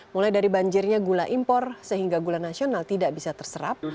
mulai dari banjirnya gula impor sehingga gula nasional tidak bisa terserap